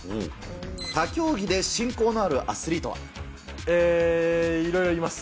他競技で親交のあるアスリーえー、いろいろいます。